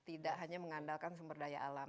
tidak hanya mengandalkan sumber daya alam